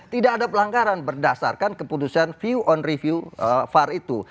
tidak ada pelanggaran berdasarkan keputusan view on review var itu